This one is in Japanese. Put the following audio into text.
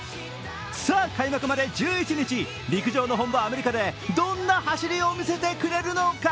さあ、開幕まで１１日、陸上の本場アメリカでどんな走りを見せてくれるのか。